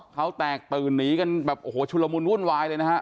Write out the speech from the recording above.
เขาแตกตื่นหนีกันแบบโอ้โหชุลมุนวุ่นวายเลยนะฮะ